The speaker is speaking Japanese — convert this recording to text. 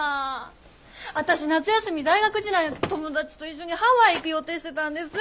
私夏休み大学時代の友達と一緒にハワイ行く予定してたんです！